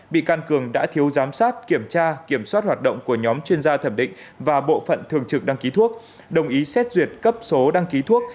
bị can cường đã thiếu giám sát kiểm tra kiểm soát hoạt động của nhóm chuyên gia thẩm định và bộ phận thường trực đăng ký thuốc đồng ý xét duyệt cấp số đăng ký thuốc